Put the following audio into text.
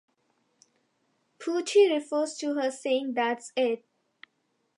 Pooty refers to her, saying That's It.